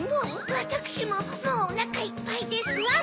わたくしももうおなかいっぱいですわ。